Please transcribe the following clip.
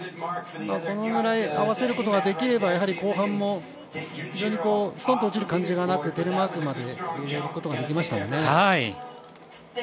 このくらい合わせることができればやはり後半も非常にストンと落ちる感じがなくテレマークまで入れることができましたんでね。